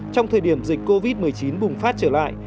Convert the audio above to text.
trong thời điểm dịch covid một mươi chín bùng phát trở lại